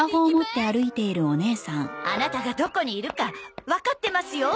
アナタがどこにいるかわかってますよ！